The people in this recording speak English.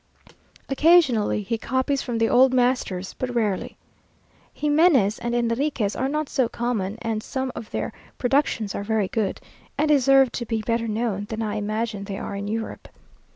Occasionally he copies from the old masters, but rarely. Ximenes and Enriquez are not so common, and some of their productions are very good, and deserve to be better known than I imagine they are in Europe.